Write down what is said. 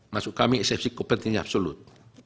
maksud kami eksepsi kepentingan absolut